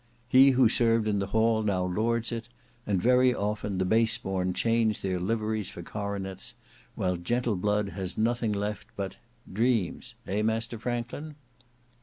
He who served in the hall now lords in it: and very often the baseborn change their liveries for coronets, while gentle blood has nothing left but—dreams; eh, master Franklin?"